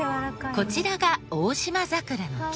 こちらがオオシマザクラの木。